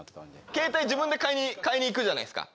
携帯自分で買いに行くじゃないですか。